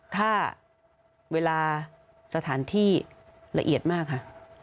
ถ้าเวลาสถานที่ละเอียดมากค่ะ